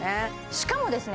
しかもですね